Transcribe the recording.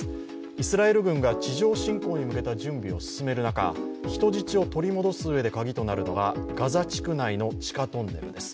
イスラエル軍が地上侵攻に向けた準備を進める中、人質を取り戻すうえでカギとなるのがガザ地区内の地下トンネルです。